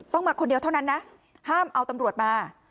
มาคนเดียวเท่านั้นนะห้ามเอาตำรวจมา